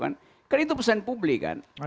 kan itu pesan publik kan